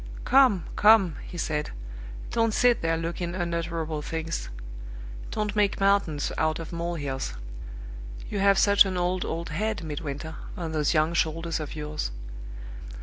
"Come! come!" he said, "don't sit there looking unutterable things; don't make mountains out of mole hills. You have such an old, old head, Midwinter, on those young shoulders of yours!